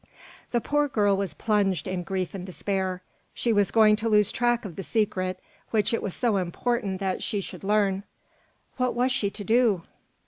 The poor girl was plunged in grief and despair: she was going to lose track of the secret which it was so important that she should learn. What was she to do?